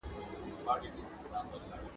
پر خيالونو باندي په خبره کولو سره ليکي